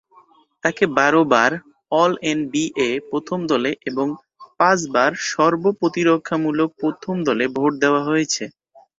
তাকে বারো বার অল-এনবিএ প্রথম দলে এবং পাঁচবার সর্ব-প্রতিরক্ষামূলক প্রথম দলে ভোট দেওয়া হয়েছে।